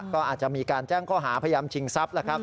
ก็อาจจะมีการแจ้งข้อหาพยายามชิงทรัพย์